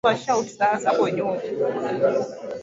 kila tarehe tatu ya mwezi wa tano kila mwaka